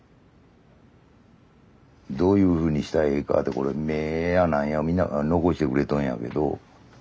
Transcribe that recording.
どういうふうにしたらええかってこれ目や何やみんな残してくれとんやけど。